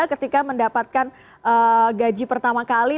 ketika mendapatkan gaji pertama kali